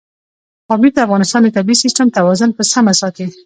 پامیر د افغانستان د طبعي سیسټم توازن په سمه ساتي.